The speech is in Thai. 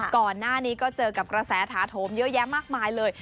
ก่อนหน้านี้ก็เจอกับกระแสถาโถมเยอะแยะมากมายเลย